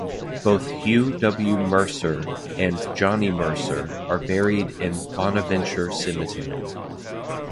Both Hugh W. Mercer and Johnny Mercer are buried in Bonaventure Cemetery.